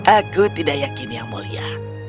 aku tidak yakin yang mulia